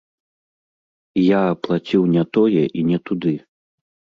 Я аплаціў не тое і не туды.